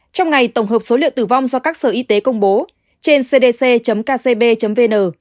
trong ngày tổng hợp số liệu tử vong do các sở y tế công bố trên cdc kcb vn